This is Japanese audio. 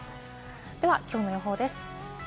ではきょうの予報です。